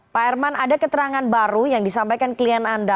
pak herman ada keterangan baru yang disampaikan klien anda